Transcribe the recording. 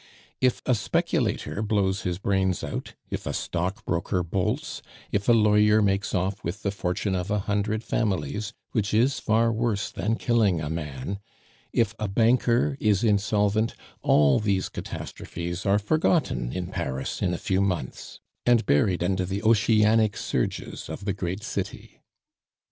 If a speculator blows his brains out, if a stockbroker bolts, if a lawyer makes off with the fortune of a hundred families which is far worse than killing a man if a banker is insolvent, all these catastrophes are forgotten in Paris in few months, and buried under the oceanic surges of the great city.